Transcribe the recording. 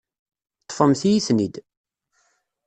Ṭṭfemt-iyi-ten-id.